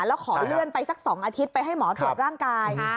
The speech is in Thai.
แล้วขอเลื่อนไปสัก๒อาทิตย์ไปให้หมอตรวจร่างกาย